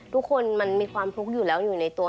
ทุกคนมันมีความทุกข์อยู่แล้วอยู่ในตัว